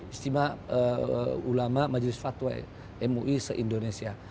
istimewa ulama majelis fatwa mui se indonesia